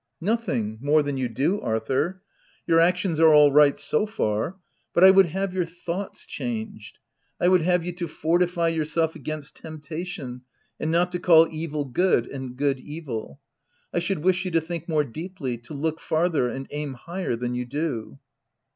8 THE TENANT " Nothing — more than you do, Arthur : your actions are all right, so far; but I would have your thoughts changed ; I would have you to fortify yourself against temptation, and not to call evil good, and good, evil; I should wish you to think more deeply, to look farther, and aim higher than you do."